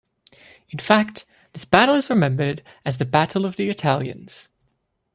In fact, this battle is remembered as the "Battle of the Italians".